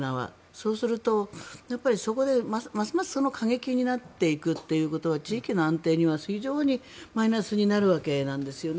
そうするとやっぱりそこでますます過激になっていくということは地域の安定には非常にマイナスになるわけなんですよね。